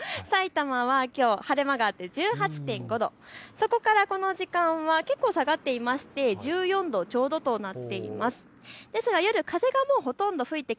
まず日中の最高気温を見てみますと、さいたまはきょう晴れ間があって１８．５度、そこからこの時間は結構下がっていまして１４度ちょうどとなっています。